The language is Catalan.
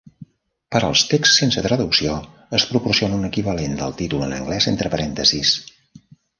Per als texts sense traducció, es proporciona un equivalent del títol en anglès entre parèntesis.